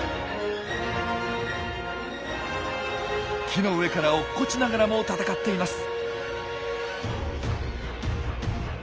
木の上から落っこちながらも戦っています。